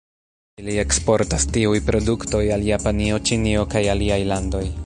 Ili eksportas tiuj produktoj al Japanio, Ĉinio kaj aliaj landoj.